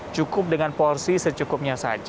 cukup dengan porsi secukupnya saja